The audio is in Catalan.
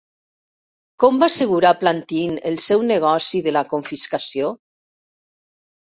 Com va assegurar Plantin el seu negoci de la confiscació?